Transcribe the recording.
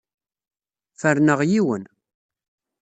Ferneɣ yiwen.